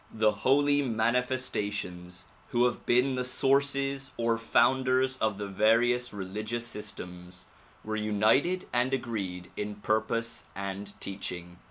The holy manifestations who have been the sources or founders of the various religious systems were united and agreed in purpose and teaching.